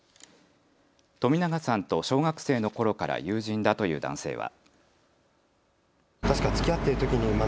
冨永さんと小学生のころから友人だという男性は。